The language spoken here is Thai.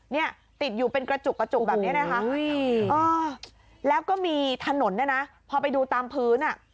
เนี่ยติดอยู่เป็นกระจุกแบบนี้นะค่ะแล้วก็มีถนนนะพอไปดูตามพื้น